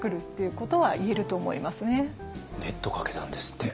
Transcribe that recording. ネットかけたんですって。